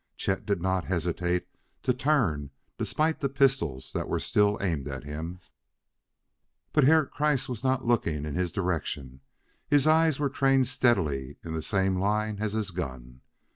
Chet did not hesitate to turn despite the pistols that were still aimed at him. But Herr Kreiss was not looking in his direction; his eyes were trained steadily in the same line as his gun.